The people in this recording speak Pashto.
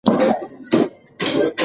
شنې ګیاوې د ځمکې پر سر ستر موجود دي.